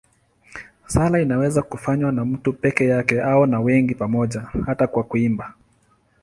Sala inaweza kufanywa na mtu peke yake au na wengi pamoja, hata kwa kuimba.